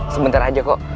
sebentar aja kok